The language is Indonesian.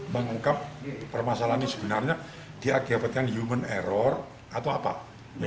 mengungkap permasalahan ini sebenarnya diakibatkan human error atau apa